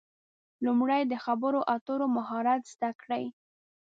لومړی د خبرو اترو مهارت زده کړئ.